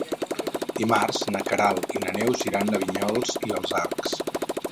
Dimarts na Queralt i na Neus iran a Vinyols i els Arcs.